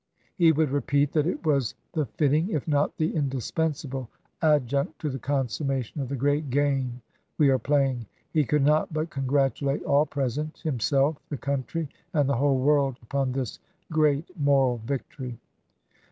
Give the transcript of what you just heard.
He would repeat that it was the fit ting, if not the indispensable, adjunct to the consummation of the great game we are playing. He could not but congratulate all present — himself, the country, and the whole world — upon this great moral victory.